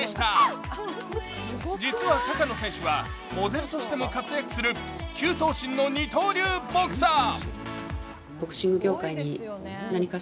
実は高野選手はモデルとしても活躍する９頭身の二刀流ボクサー。